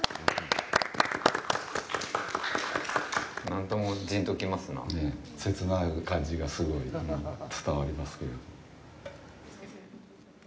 なんとも、ジンと来ますなぁ。切ない感じがすごい伝わりますね。